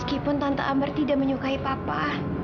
meskipun tante amber tidak menyukai papa